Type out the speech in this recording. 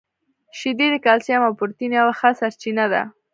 • شیدې د کلسیم او پروټین یوه ښه سرچینه ده.